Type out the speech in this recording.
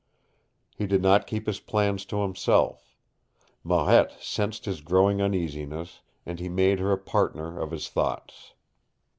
He did not keep his plans to himself. Marette sensed his growing uneasiness, and he made her a partner of his thoughts.